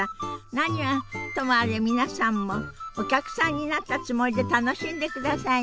何はともあれ皆さんもお客さんになったつもりで楽しんでくださいね。